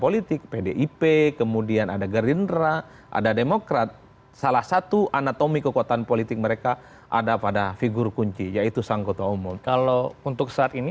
layamu tua layah ya gitu